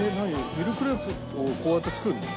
ミルクレープをこうやって作るの？